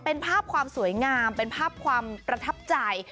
เป็นภาพความสวยงามเป็นภาพความประทับใจ